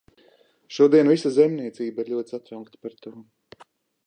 Šodien visa zemniecība ir ļoti satraukta par to.